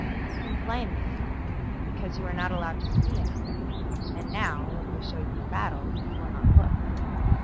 "You complain," they said, "because you are not allowed to see anything, and now, when we show you a battle, you will not look."